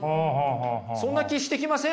そんな気してきません？